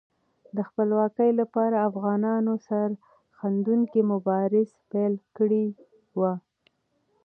د خپلواکۍ لپاره افغانانو سرښندونکې مبارزه پیل کړې وه.